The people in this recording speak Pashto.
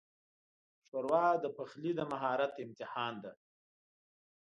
ښوروا د پخلي د مهارت امتحان ده.